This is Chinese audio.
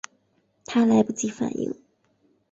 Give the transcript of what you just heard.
她来不及反应